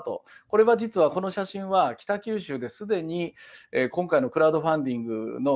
これは実はこの写真は北九州で既に今回のクラウドファンディングの中でですね